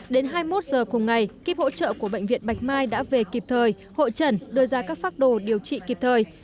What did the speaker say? đến hai mươi một giờ cùng ngày kip hỗ trợ của bệnh viện bạch mai đã về kịp thời hội trần đưa ra các phác đồ điều trị kịp thời